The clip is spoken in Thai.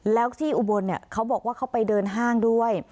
แล้วที่อุบลเขาบอกว่าเขาไปเดินห้างด้วย